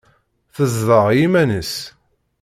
Tezdeɣ i yiman-nnes.